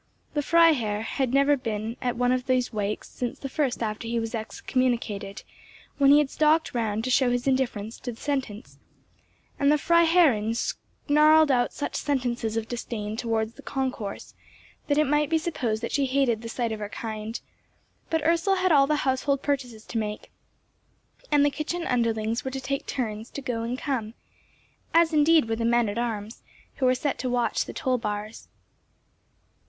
The Freiherr had never been at one of these wakes since the first after he was excommunicated, when he had stalked round to show his indifference to the sentence; and the Freiherrinn snarled out such sentences of disdain towards the concourse, that it might be supposed that she hated the sight of her kind; but Ursel had all the household purchases to make, and the kitchen underlings were to take turns to go and come, as indeed were the men at arms, who were set to watch the toll bars.